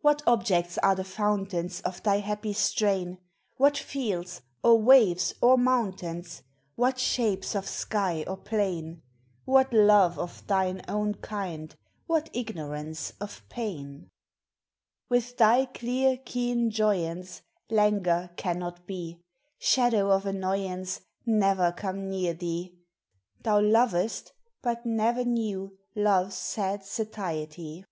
What objects are the fountains Of thy happy strain? What fields, or waves, or mountains? What shapes of sky or plain? What love of thine own kind? What ignorance of pain? 300 POEMS OF XATURE. With thy clear, keen joyance Languor cannot be : Shadow of annoyance Never come near thee : Thou lovest ; but ne'er knew love's sad satiety.